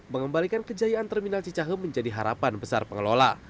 mengembalikan kejayaan terminal cicahem menjadi harapan besar pengelola